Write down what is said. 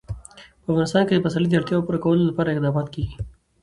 په افغانستان کې د پسرلی د اړتیاوو پوره کولو لپاره اقدامات کېږي.